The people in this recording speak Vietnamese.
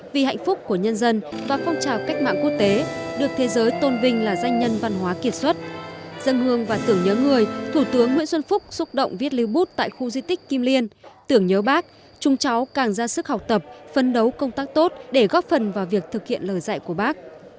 vì hạnh phúc của nhân dân và phong trào cách mạng quốc tế được thế giới tôn vinh là danh nhân văn hóa kiệt xuất dân hương và tưởng nhớ người thủ tướng nguyễn xuân phúc xúc động viết lưu bút tại khu di tích kim liên tưởng nhớ bác chúng cháu càng ra sức học tập phân đấu công tác tốt để góp phần vào việc thực hiện lời dạy của bác